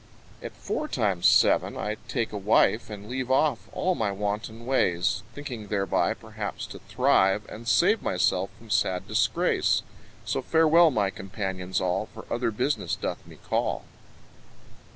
At four times seven I take a wife, And leave off all my wanton ways, Thinking thereby perhaps to thrive, And save myself from sad disgrace. So farewell my companions all, For other business doth me call.